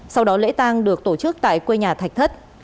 sau đó lễ tang được tổ chức tại quê nhà thạch thất